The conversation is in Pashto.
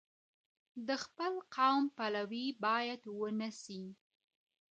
د خپل قوم پلوي باید ونه سی.